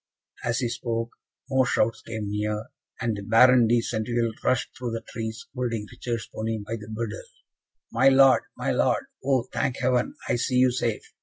As he spoke, more shouts came near; and the Baron de Centeville rushed through the trees holding Richard's pony by the bridle. "My Lord, my Lord! oh, thank Heaven, I see you safe!"